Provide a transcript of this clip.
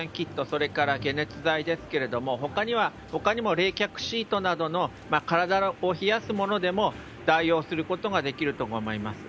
それから解熱剤ですけど他にも冷却シートなど体を冷やすものでも代用することができると思います。